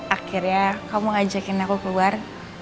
akhirnya kamu ngajakin aku keluar